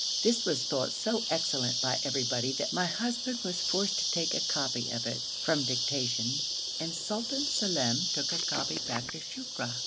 This was thought so excellent by everybody that my husband was forced to take a copy of it from dictation and Sultan Salem took a copy back to Shukra.